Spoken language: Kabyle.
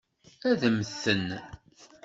Ad mmten?